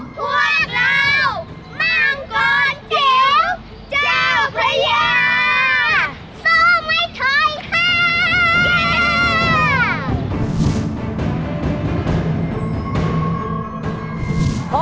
มั่งก้อนจิ๋วเจ้าพระยาสู้ไม่ถอยห้า